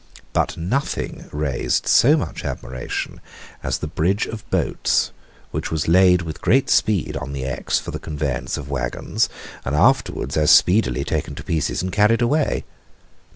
But nothing raised so much admiration as the bridge of boats, which was laid with great speed on the Exe for the conveyance of waggons, and afterwards as speedily taken to pieces and carried away.